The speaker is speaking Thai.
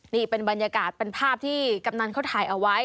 นี่เป็นบรรยากาศเป็นภาพที่กำนันเขาถ่ายเอาไว้